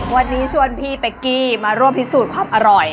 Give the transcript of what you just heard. วันนี้ชวนพี่เป๊กกี้มาร่วมพิสูจน์ความอร่อย